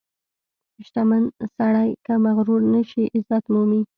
• شتمن سړی که مغرور نشي، عزت مومي.